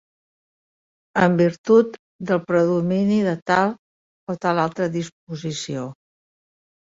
En virtut del predomini de tal o tal altra disposició.